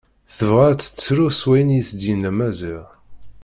Tebɣa ad tettru s wayen i as-d-yenna Maziɣ.